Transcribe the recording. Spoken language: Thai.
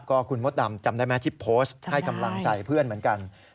คุณมดดำจำได้ไหมที่โพสต์ให้กำลังใจเพื่อนเหมือนกัน